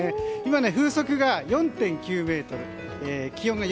今、風速が４．９メートル。